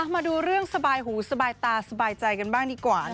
มาดูเรื่องสบายหูสบายตาสบายใจกันบ้างดีกว่า